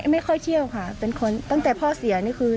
ไม่ค่อยเชี่ยวค่ะเป็นคนตั้งแต่พ่อเสียนี่คือ